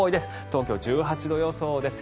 東京１８度予想です。